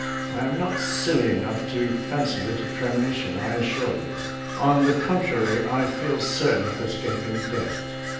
I am not silly enough to fancy it a premonition, I assure you. On the contrary, I feel certain of escaping death.